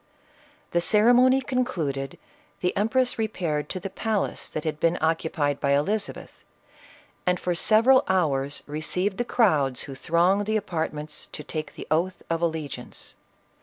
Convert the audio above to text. The ceremony concluded, the empress re paired to the palace that had been occupied by Eliza beth, and for several hours received the crowds who thronged the apartments to take the oath of allegiance.